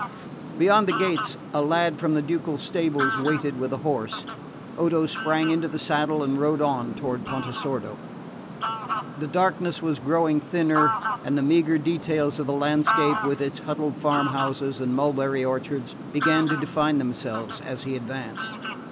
Beyond the gates a lad from the ducal stables waited with a horse. Odo sprang into the saddle and rode on toward Pontesordo. The darkness was growing thinner, and the meagre details of the landscape, with its huddled farm houses and mulberry orchards, began to define themselves as he advanced.